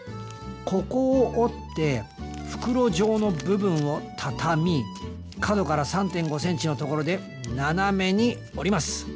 ここを折って袋状の部分を畳み角から３．５ｃｍのところで斜めに折ります